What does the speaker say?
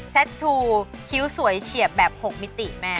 แท็ตทูคิ้วสวยเฉียบแบบ๖มิติแม่